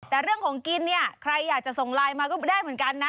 แต่เรื่องของกินเนี่ยใครอยากจะส่งไลน์มาก็ได้เหมือนกันนะ